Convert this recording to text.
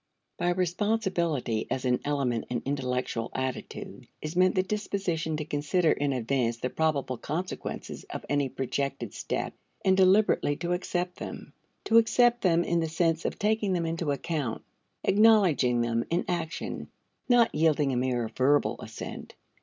By responsibility as an element in intellectual attitude is meant the disposition to consider in advance the probable consequences of any projected step and deliberately to accept them: to accept them in the sense of taking them into account, acknowledging them in action, not yielding a mere verbal assent.